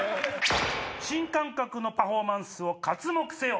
新感覚のパフォーマンスを刮目せよ！